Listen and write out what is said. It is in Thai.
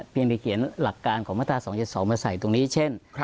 เพียงแต่เขียนหลักการของมาตรา๒๗๒มาใส่ตรงนี้เช่น